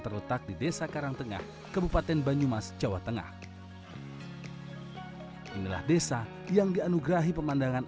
terletak di desa karangtengah kebupaten banyumas jawa tengah inilah desa yang dianugerahi pemandangan